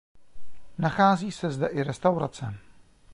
Nachází se zde i restaurace.